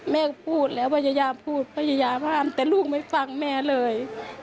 แม่ก็พูดแล้วพยายามพูดพยายามห้ามแต่ลูกไม่ฟังแม่เลย